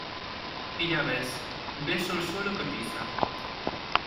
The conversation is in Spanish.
y ya ves, beso el suelo que pisa.